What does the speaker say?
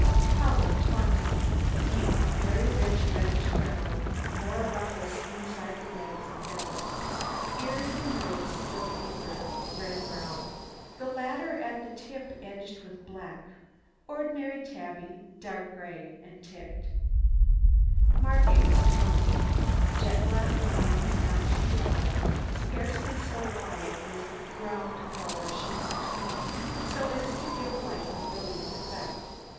COLOUR 20 Deep, very rich reddish brown, more rufous inside the legs and belly; ears and nose a still deeper red brown, the latter at the tip edged with black. Ordinary tabby, dark gray, and ticked. MARKINGS 20 Jet black lines, not too broad, scarcely so wide as the ground colour shown between, so as to give a light and brilliant effect.